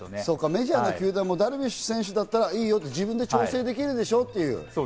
メジャーの球団もダルビッシュ選手ならいいよと自分で調整できるでしょ？という。